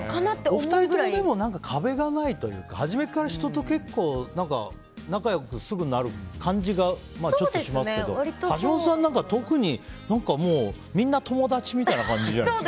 お二人とも壁がないというか初めから人と結構仲良くすぐなる感じがチョッとしますけど橋本さんなんか、特にみんな友達みたいな感じじゃないですか。